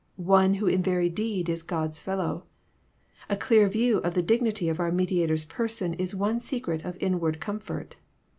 One who in very deed is God's Fellow. A clear view of the dignity of our Mediator's Person is one secret of inward comfort.